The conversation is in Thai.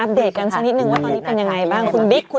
อัปเดตกันช้อนิดหนึ่งว่าตอนนี้เป็นยังไงบ้างคุณบิ๊ก